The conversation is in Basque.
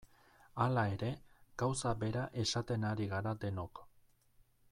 Hala ere, gauza bera esaten ari gara denok.